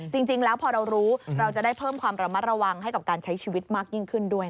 จริงแล้วพอเรารู้เราจะได้เพิ่มความระมัดระวังให้กับการใช้ชีวิตมากยิ่งขึ้นด้วย